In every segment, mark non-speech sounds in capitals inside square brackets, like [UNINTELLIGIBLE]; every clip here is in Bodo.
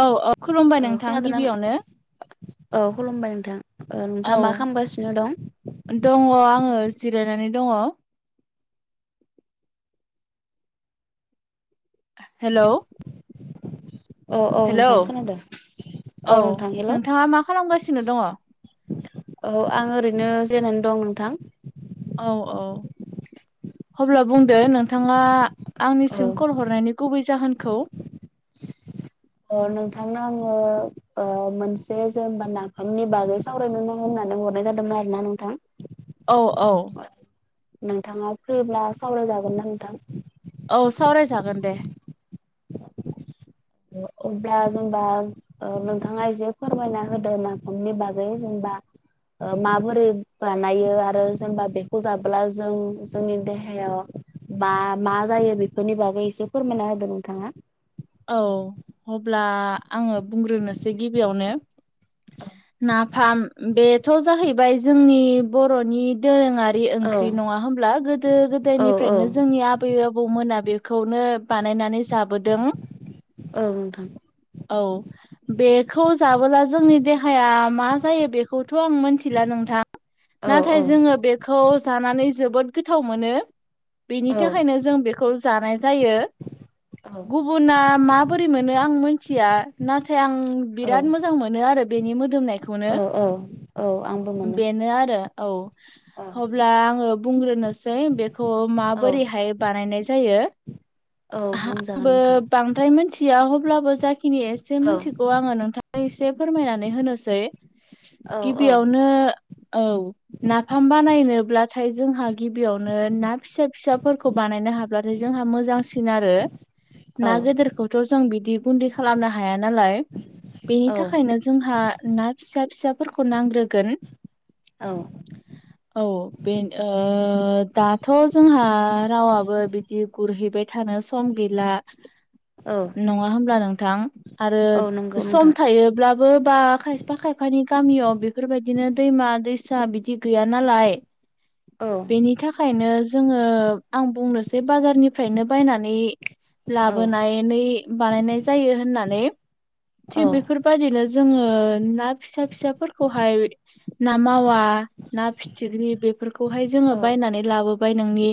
औ औ खुलुमबाय औ नोंथां खोनादोंना गिबियावनो औ खुलुमबाय नोंथां ओ नोंथांङा मा खालामगासिनो दं? दंङ आंङो जिरायनानै दंङ। हेलौ औ औ हेलौ नोंथां खोनादों औ नोंथां हेलौ नोंथाङा मा खालामगासिनो दङ औ आं ओरैनो जेरायनानै दं नोंथां। औ औ हब्ला बुंदो नोंथांङा औ आंनिसिम कल हरनायनि गुबै जाहोनखौ अ नोंथांनो आंङो ओ मोनसे जेनेबा नाफामनि बागै सावरायनो नांगौ होननानै हरनाय जादोंमोन आरोना नोंथां। औ औ नोंथांङा फ्रिब्ला सावरायजागोन ना नोंथां? औ सावरायजागोन दे अब्ला जोमबा [UNINTELLIGIBLE] ओ नोंथाङा एसे फोरमायना होदों नाफामनि बागै जेनबा। ओ माबोरै बानायो आरो जेनेबा बेखौ जाब्ला जों जोंनि देहायाव बा मा जायो बेफोरनि बागै एसे फोरमायना होदो नोंथाङा। औ अब्ला आङो बुंग्रोनोसै गिबियावनो ना फाम बेथ' जाहैबाय जोंनि बर'नि दोरोङारि औ ओंख्रि नङा होनोमब्ला गोदो औ औ गोदायनिफ्रायनो जोंनि आब आबै आबौमोना बेखौनो बानायनानै जाबोदों। औ नोंथां। औ बेखौ जाबोला जोंनि देहाया मा जायो बेखौथ' आं मिथिला नोंथां। औ औ नाथाय जोङो बेखौ जानानै जोबोद गोथाव मोनो। बेनि औ थाखायनो जों बेखौ जानाय जायो औ गुबुन उना माबोरै मोनो आं मोनथिया नाथाय आं औ बिराद मोजां मोनो आरो बेनि मोदोमनायखौनो। औ औ औ आंबो मोनो। मोनो आरो औ औ अब्ला आङो बुंग्रोनोस [UNINTELLIGIBLE] बेखौ औ माबोरैहाय बानायनाय जायो औ बुंजागोन आंबो। नोंथां ओमफ्राय मिथिया अब्लाबो जाखिनि एसे औ मिथिगौ आङो नोंथाङा एसे फोरमायनानै होनोसै। औ औ सो औ नाफाम बानायनोब्लाथाय जोंहा गिबियावनो ना फिसा फिसाफोरखौ बानायनो हाब्लाथाय जोंहा मोजांसिन आरो ना औ गेदेरखौथ' जों बिदि गुन्दै खालामनो हाया नालाय बेनि औ थाखायनो। जोंहा ना फिसा फिसाफोरखौ नांग्रोगोन। औ औ बे ओ दाथ' जोंहा रावाबो बि बि गुरहैबाय थानो सम गैला। औ नङा होमब्ला नोंथां आरो औ नंगौ सम नोंथां थायोब्लाबो बा खायफा-खायफानि गामियाव बेफोरबायदिनो दैमा-दैसा बिदि गैया नालाय। औ [INAUDIBLE] बेनि थाखाय थाखायनो जोंङो आं बुंनोसै बाजारनिफ्रायनो बायनानै औ लाबोनानै बानायनाय जायो होननानै, औ थिग बेफोरबायदिनो जोंङो ना फिसा- फिसाफोरखौवहाय ना मावा, ना फिथिख्रि बेफोरखौवहाय औ जोंङो बायनानै लाबोबाय नोंनि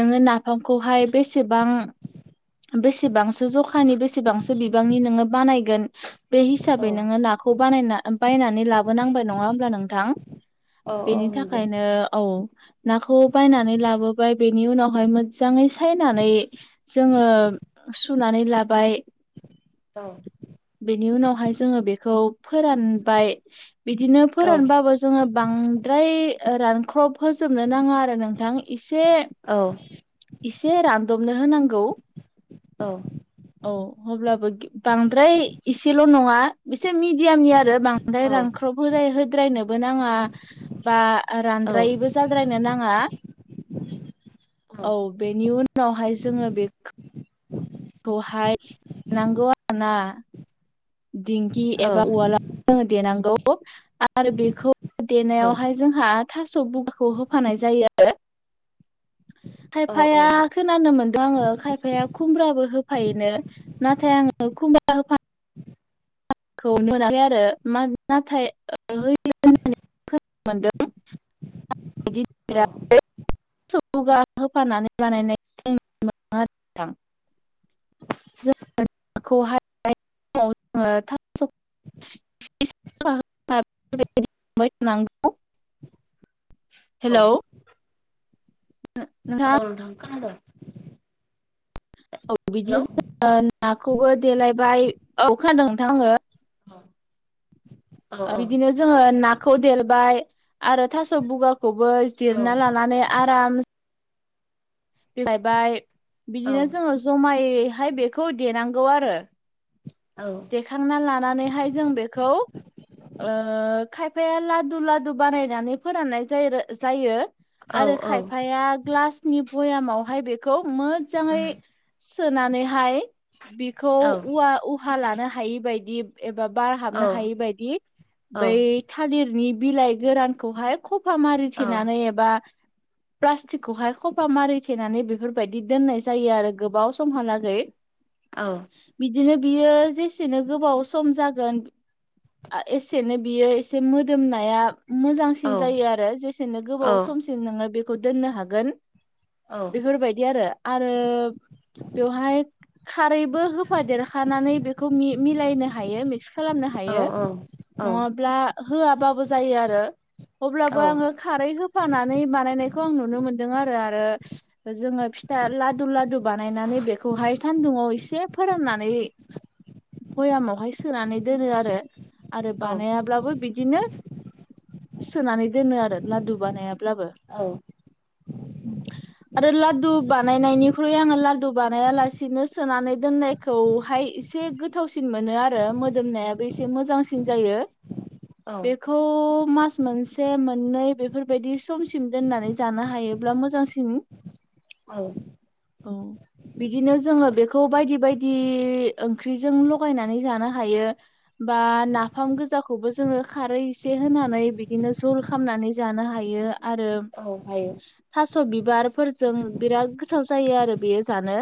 नोंङो नाफामखौहाय बेसेबां बेसेबांसो जखानि, बेसेबांसो बिबांनि नोंङो बानायगोन बे औ हिसाबै नोंङो नाखौ बानायना बायनानै लाबोनांबाय नङा होमब्ला नोंथां? औ औ बेनि नंगौ थाखायनो, औव नाखौ बायनानै लाबोबाय बेनि उनावहाय मोजांङै सायनानै जोंङो सुनानै लाबाय [INAUDIBLE] बेनि उनावहाय जोंङो बेखौ फोरानबाय। बिदिनो औ फोरानबाबो जों जोंङो बांद्राय रानख़्रब फोजोबनो नाङा आरो नोंथां एसे औ एसे रानदबनो होनांगौ। औव। औव अब्लाबो बांद्राय इसेल' नङा एसे मिडियामनि आरो [UNINTELLIGIBLE] [UNINTELLIGIBLE] औ रानख्रब [UNINTELLIGIBLE] होद्रायनोबो नाङा बा औ रानद्रायैबो। [UNINTELLIGIBLE] [UNINTELLIGIBLE] औव बेनि उनावहाय जोंङो बे खौहाय नांगौ आरो ना दिंखि औ एबा उवालाव जोंङो देनांगौ आरो बेखौ देनायावहाय जोंहा थास' बुगाखौ होफानाय जायो आरो। खायफाया खोनानो मोनदों आंङो खायफाया खुम्ब्राबो होफायोननो? नाथाय आंङो खुमब्रा होफ खौनो मोनाखै आरो मा नाथाय औ [UNINTELLIGIBLE] सौगा [UNINTELLIGIBLE] होफानानै बानायनाय। आ खौहाय [UNINTELLIGIBLE] औ। हेलौ नोंथां औ ंखार द [UNINTELLIGIBLE] औ हेलौ बिदि ज नाखौबो देलायबाय। औव खानादों नोंथां आंङो औ [UNINTELLIGIBLE] औ बिदिनो जोंङो नाखौ देरबाय आरो थास' बुगाखौ खौबो औ जिरना लानानै आराम बिलइबाय औ बिदिनो जोंङो जमायैहाय बेखौ देनांगौ आरो। [INAUDIBLE] औ [UNINTELLIGIBLE] लानानैहाय जों बेखौ ओ खायफाया लादु, लादु बानायनानै फोराननाय जायो जायो। औ आरो खायफाया ग्लासनि भयामावहाय बेखौ मोजाङै- सोनानैहाय बिखौ उवा उहा लानो हायिबायायदि एबा बार हाबनो हायि बायदि बै थालिरनि बिलाइ गोरानखौहाय खफा मारिथेनानै एबा प्लास्टिकखौहाय खफा मारिथेनानै बेफोरबायदि दोननाय जायो आरो गोबाव समहालागै। [INAUDIBLE] बिदिनो बियो जेसेनो गोबाव सम जागोन एसेनो बियो एसे मोदोमनाया मोजां। सिं जायो आरो जेसेनो गोबाव समसिम नोङो बेखौ दोननो हागोन। बेफोरबायदि आरो आरो बेवहाय खारैबो होफादेर। खानानै बेखौ मि मिलायनो हायो मिक्स खालामनो हायो नङाब्ला। होआबाबो जायो आरो अब्लाबो आङो। खारै होफानानै बानायनायखौ आं नुनो मोनदों आरो आरो जोङो फिथा लादु लादु बानायनानै बेखौहाय सानदुंङाव एसे फोराननानै। भयामआवहाय सोनानै दोनो आरो आरो बानायाब्लाबो बिद बिदिनो सोनानै दोनो आरो लादु बानायाब्लाबो। उम आरो लादु बानायनायनिख्रुइ आङो लादु बानाया लासिनो सोनानै दोननायखौ। हाय एसे गोथावसिन मोनो आरो मोदोमनायाबो एसे मोजांसिन जायो। बेखौ। मास मोनसे मोननै बेफोरबायदि समसिम दोननानै जानो हायोब्ला मोजांसिन। औ औ बिदिनो जोङो बेखौ बायदि बायदि बे ओंख्रिजों लगायनानै जानो हायो। बा नाफाम गोजाखौबो जोङो खारै एसे होनानै बिदिनो जल खालामनानै जानो हायो। आरो हायो औ थास' बिबारफोरजों बिराद गोथाव जायो आरो बेयो जानो।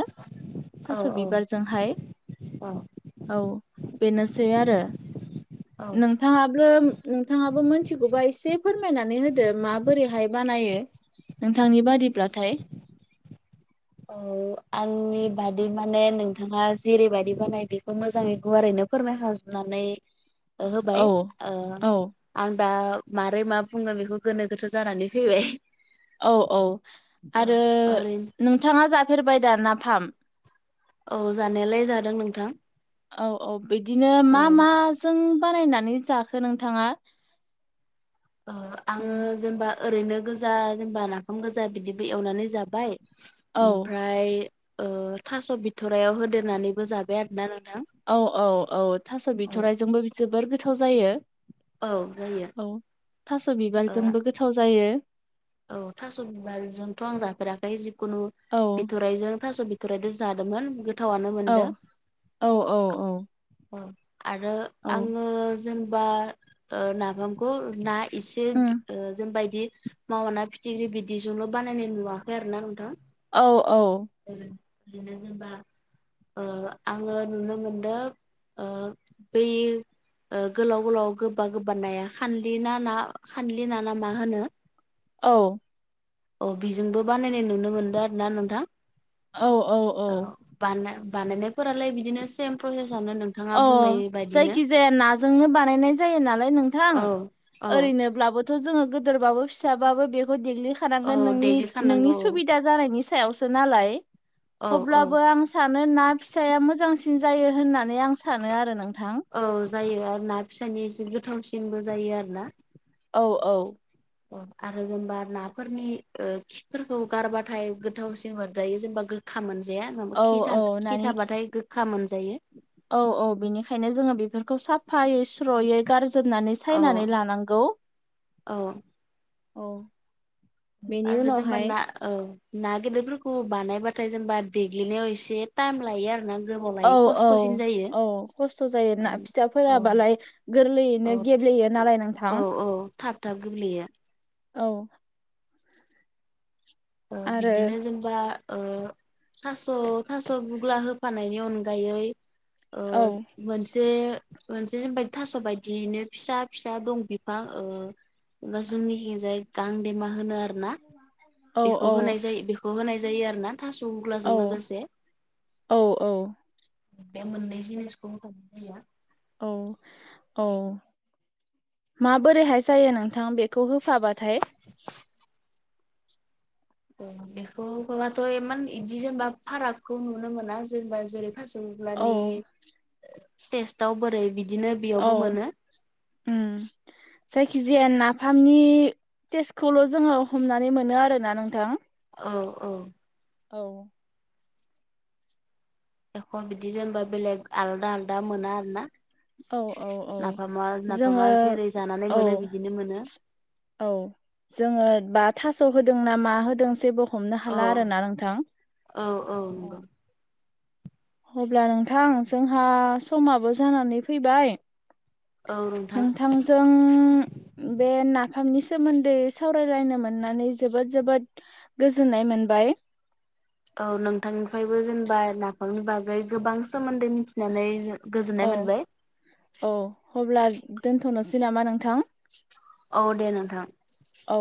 थास' औ बिबारजोंहाय औ औ औ बेनोसै आरो औ औ नों नोंथाङाबो नोंथाङाबो मोनथिगौबा एसे फोरमायनानै होदो माबोरैहाय बानायो नोंथांनि बादिब्लाथाय औ आंनि बादि माने नोंथाङा जेरैबायाददि बानाय बेखौ मोजाङै गुवारैनो फोरमायखाजोबनानै होबाय औ आ औ आं दा मारै मा बुंगोन बेखौ गोनो गोथो जानानै फैबाय औ औ औ आरो ओरैनो नोंथाङा जाफेरबाय दा नाफाम औ जानायालाय जादों नोंथां औ औ बिदिनो मा औ माजों बानायनानै जाखो नोंथाङा उम आङो जेनबा ओरैनो गोजा जेनबा नाफाम गोजा बिदिबो एवनानै जाबाय औ ओमफ्राय ओ थास' बिथ'रायाव होदेरनानैबो जाबाय आरोना नोंथां औ औ औ थास' औ बिथ'रायजोंबो बि जोबोर गोथाव जायो औ जायो औ थास' ओ बिबारजोंबो गोथाव जायो औ थास' बिबारजोंथ' आं जाफेराखै जिखुनु औ बिथ'राइजों थास' बिथ बिथरायदो जादोंमोन गोथावनो मोनदों औ औ औ आरो औ आङो जेनेबा नाफामखौ ना एसे उम जों बायदि मावाना फिथिख्रि बिदिजोंल' बानायनाय नुवाखै आरो ना नोंथां औ औ [INAUDIBLE] आङो नुनो मोनदों बै गोलाव गोलाव गोबा गोबा नाया खानलि ना ना खानलि ना ना मा होनो औ औ बिजोंबो बानायनाय नुनो मोनदों आरो ना नोंथां औ बानाय बानायनायफोरालाय बिदिनो सेम प्रसेसआनो होन अ जायखिजाया नाजोंनो बानायनाय जायो नालाय नोंथां औ औ ओरैनो ओरैबाथ' जोङो गोदेरबाबो फिसाबाबो बेखौ औ देग्लिखानांगोन नोंनि नोंनि देग्लिखानांगौ सुबिदा जानायनि सायावसो नालाय औ औ अब्लाबो आं सानो ना फिसाया मोजांसिन जायो होननानै आं सानो आरो नोंथां औ जायो आरो ना फिसानि ऐसे गोथावसिनबो जायो आरो ना औ औ आरो जेनेबा नाफोरनि ओ खिफोरखौ गारबाथाय गोथावसिन मोनजायो जेनेबा गोखा मोनजाया नङाबा औ खि औ खि नानि थाबाथाय गोखा मोनजायो औ औ बिनिखायनो जोङो बेफोरखौ साफायै सु स्रयै गारजोबनानै औ सायनानै लानांगौ औ औ बेनि आरो जेनेबा उनावहाय ना औ ना गेदेरफोरखौ बानायबाथाय जेनेबा देग्लिनायाव एसे टाइम लायो आरो ना औ औ औ खस्थ' जायो ना औ फिसाफोराबालाय औ गोरलैयैनो गेब्लेयो नालाय औ नोंथां औ थाब थाब गेब्लेयो औ ओ आरो बिदिनो जों बा ओ थास' थास' बुग्ला होफानायनि अनगायै ओ औ मोनसे मोनसे जेनबा थास' बायदियैनो फिसा फिसा दं बिफां बा जोंनि खिजाय गांदेमा होनो आरो ना। औ बेखौ औ होनाय जायो बेखौ होनाय जायो आरोना थास' औ गुग्लाजों लोगोसे। औ औ। बे मोननै जिनिसखौ [UNINTELLIGIBLE] औ औ। माबोरैहाय जायो नोंथां बेखौ होफाबाथाय? [INAUDIBLE] औ बेखौ होफाबाथ' इमान बिदि जेनेबा फारागखौ नुनो मोना जेनबा जेरै औ गुग्लानि टेस्टआव बोरै बिदिनो औ बेयावबो मोनो। उम। जायखिजाया नाफामनि टेस्टखौल' जोङो हमनानै मोनो आरोना नोंथां। औ औ। औ। एख' बिदि जेनेबा बेलेग आलादा आलदा मोना आरोना। औ औ औ नाफामा जोङो नाफामा जेरै जानानै औ मोनो बिदिनो मोनो। औ जोङो बा थास' होदों ना मा होदों जेबो हमनो औ हाला आरोना नोंथां। औ औ नंगौ। अब्ला नोंथां जोंहा समाबो जानानै फैबाय। औ नोंथां। नोंथांजों बे नाफामनि सोमोन्दै सावरायलायनो मोननानै जोबोद जोबोद गोजोननाय मोनबाय। औ नोंथांनिफ्रायबो जेनेबा नाफामनि बागै गोबां सोमोन्दै मिथिनानै गोजोननाय औ मोनबाय औ अब्ला दोनथ'नोसै नामा नोंथां? औ दे नोंथां। औ।